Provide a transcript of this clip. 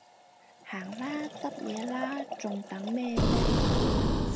行啦，執嘢喇，仲等咩啫？